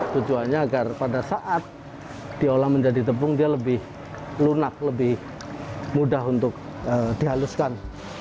tujuannya agar pada saat diolah menjadi tepung dia lebih lunak lebih mudah untuk dihaluskan